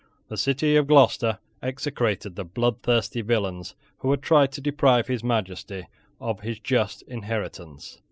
The city of Gloucester execrated the bloodthirsty villains who had tried to deprive His Majesty of his just inheritance.